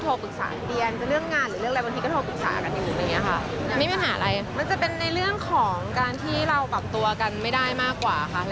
ตอนนี้ผ่านอะไรอย่างนี้ก็โทรปรึกษากัน